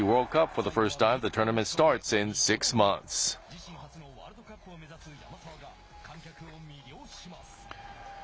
自身初のワールドカップを目指す山沢が観客を魅了します。